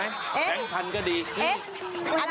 เอ๊ะแบงก์๕๐๐ไหมแบงก์๑๐๐๐ก็ดี